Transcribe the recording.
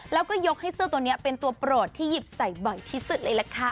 แล้วก็ยกให้เสื้อตัวนี้เป็นตัวโปรดที่หยิบใส่บ่อยที่สุดเลยล่ะค่ะ